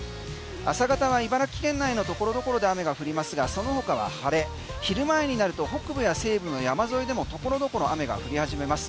朝方は茨城県内の所々で雨が降りますが、その他は晴れ昼前になると北部や西部の山沿いでも所々、雨が降り始めます。